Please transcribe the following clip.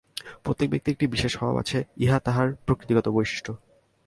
প্রত্যেক ব্যক্তির একটি বিশেষ স্বভাব আছে, উহা তাহার প্রকৃতিগত বৈশিষ্ট্য।